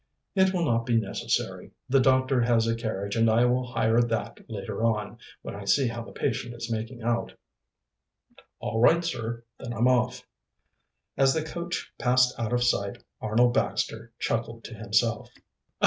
"It will not be necessary. The doctor has a carriage, and I will hire that later on, when I see how the patient is making out." "All right, sir; then I'm off." As the coach passed out of sight Arnold Baxter chuckled to himself.